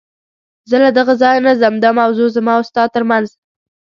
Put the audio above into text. زه له دغه ځایه نه ځم، دا موضوع زما او ستا تر منځ.